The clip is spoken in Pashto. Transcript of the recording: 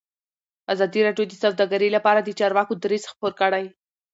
ازادي راډیو د سوداګري لپاره د چارواکو دریځ خپور کړی.